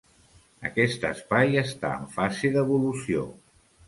Aquest espai està en fase d'evolució.